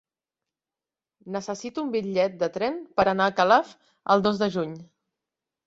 Necessito un bitllet de tren per anar a Calaf el dos de juny.